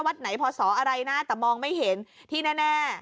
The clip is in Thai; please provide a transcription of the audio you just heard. วัดไหนพศอะไรนะแต่มองไม่เห็นที่แน่